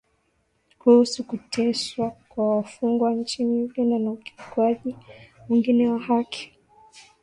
kuhusu kuteswa kwa wafungwa nchini Uganda na ukiukwaji mwingine wa haki